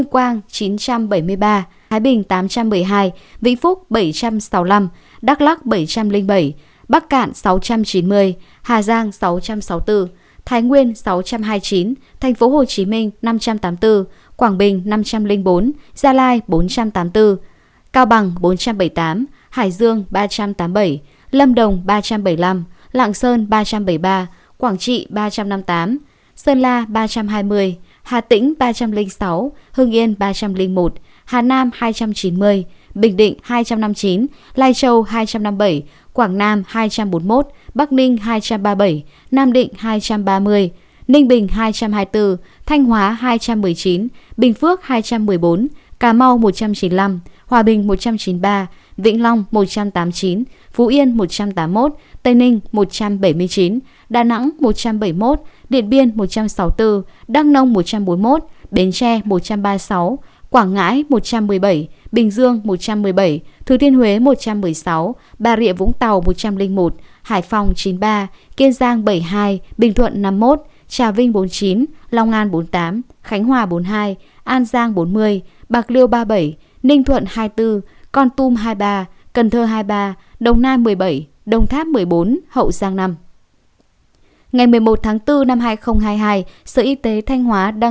quảng bình năm trăm tám mươi bốn quảng bình năm trăm linh bốn gia lai bốn trăm tám mươi bốn cao bằng bốn trăm bảy mươi tám hải dương ba trăm tám mươi bảy lâm đồng ba trăm bảy mươi năm lạng sơn ba trăm bảy mươi ba quảng trị ba trăm năm mươi tám sơn la ba trăm hai mươi hà tĩnh ba trăm linh sáu hương yên ba trăm linh một hà nam hai trăm chín mươi bình định hai trăm năm mươi chín lai châu hai trăm năm mươi bảy quảng nam hai trăm bốn mươi một bắc ninh hai trăm ba mươi bảy nam định hai trăm ba mươi ninh bình hai trăm hai mươi tám hà tĩnh hai trăm linh chín hà tĩnh hai trăm linh chín hà tĩnh hai trăm linh chín hà tĩnh hai trăm linh chín hà tĩnh hai trăm linh chín hà tĩnh hai trăm linh chín hà tĩnh hai trăm linh chín hà tĩnh hai trăm linh chín hà tĩnh hai trăm linh chín hà tĩnh hai trăm linh chín hà tĩnh hai trăm linh chín hà tĩnh hai trăm linh chín hà